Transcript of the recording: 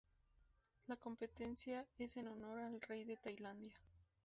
La competencia es en honor al Rey de Tailandia.